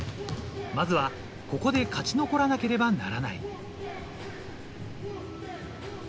まずは、ここで勝ち残らなければならない。